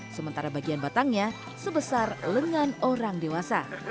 sementara bagian batangnya sebesar lengan orang dewasa